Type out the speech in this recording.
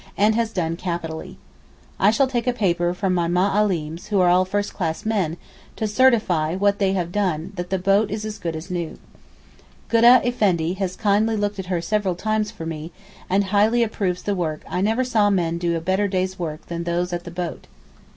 and has done capitally. I shall take a paper from my Ma allims who are all first class men, to certify what they have done and that the boat is as good as new. Goodah Effendi has kindly looked at her several times for me and highly approves the work done. I never saw men do a better day's work than those at the boat.